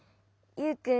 ユウくん。